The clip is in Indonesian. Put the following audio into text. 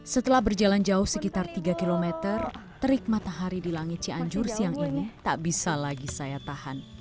setelah berjalan jauh sekitar tiga km terik matahari di langit cianjur siang ini tak bisa lagi saya tahan